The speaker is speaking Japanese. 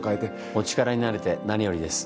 お力になれて何よりです。